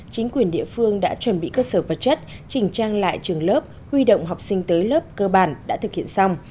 chính quyền địa phương đã chuẩn bị cơ sở vật chất chỉnh trang lại trường lớp huy động học sinh tới lớp cơ bản đã thực hiện xong